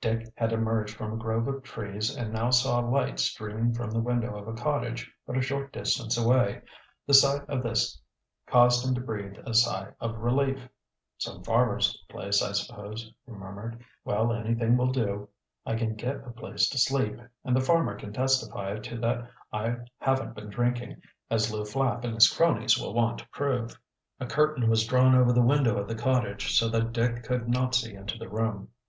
Dick had emerged from a grove of trees and now saw a light streaming from the window of a cottage but a short distance away. The sight of this caused him to breathe a sigh of relief. "Some farmer's place, I suppose," he murmured. "Well, anything will do. I can get a place to sleep, and the farmer can testify to it that I haven't been drinking, as Lew Flapp and his cronies will want to prove." A curtain was drawn over the window of the cottage, so that Dick could not see into the room.